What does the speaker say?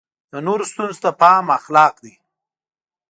د نورو ستونزو ته پام اخلاق دی.